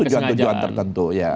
tujuan tujuan tertentu ya